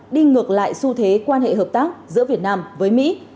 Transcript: đi ngược lại xu thế quan hệ hợp tác giữa việt nam với mỹ